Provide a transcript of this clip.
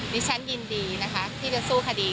ดิฉันยินดีนะคะที่จะสู้คดี